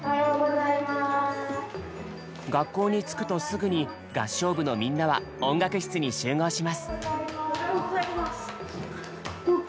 学校に着くとすぐに合唱部のみんなは音楽室に集合します。